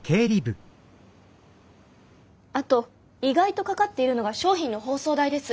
あと意外とかかっているのが商品の包装代です。